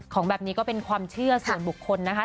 ของแบบนี้ก็เป็นความเชื่อส่วนบุคคลนะคะ